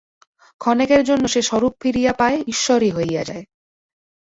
ক্ষণেকের জন্য সে স্বরূপ ফিরিয়া পায়, ঈশ্বরই হইয়া যায়।